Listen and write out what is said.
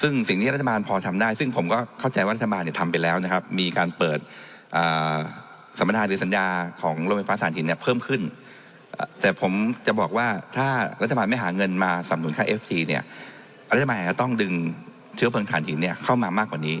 เนี่ยราชมายน์ก็ต้องดึงเชื้อเพลิงฐานถิ่นเนี่ยเข้ามามากกว่านี้